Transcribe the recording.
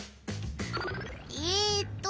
えっと